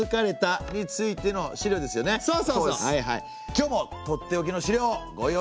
今日もとっておきの資料ご用意しております！